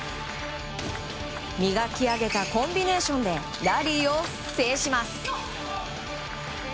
磨き上げたコンビネーションでラリーを制します。